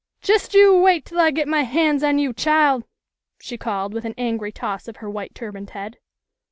"Just you wait till I get my hands on you, chile," she called with an angry toss of her white turbaned head.